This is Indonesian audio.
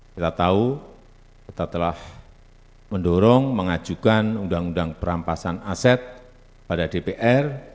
kita tahu kita telah mendorong mengajukan undang undang perampasan aset pada dpr